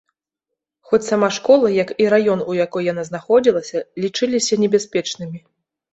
Хоць сама школа, як і раён, у якой яна знаходзілася, лічыліся небяспечнымі.